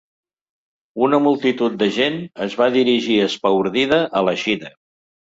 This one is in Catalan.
Una multitud de gent es va dirigir espaordida a l’eixida.